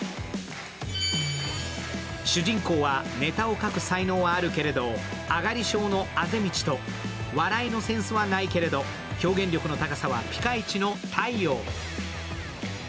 主人公はネタを書く才能はあるけれど、あがり症の畦道と笑いのセンスはないけれど表現力の高さはピカイチの太陽。